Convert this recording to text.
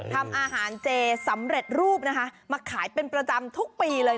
ทำอาหารเจสำเร็จรูปนะคะมาขายเป็นประจำทุกปีเลย